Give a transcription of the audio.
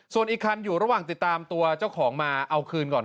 ส่วนอีกคันอยู่ระหว่างติดตามตัวเจ้าของมาเอาคืนก่อน